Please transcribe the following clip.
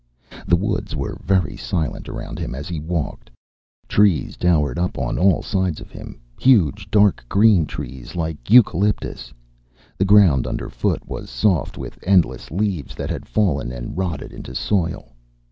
The woods were very silent around him as he walked. Trees towered up on all sides of him, huge dark green trees like eucalyptus. The ground underfoot was soft with endless leaves that had fallen and rotted into soil.